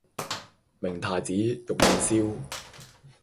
明太子玉子燒